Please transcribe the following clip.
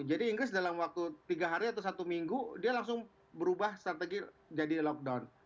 jadi inggris dalam waktu tiga hari atau satu minggu dia langsung berubah strategi jadi lockdown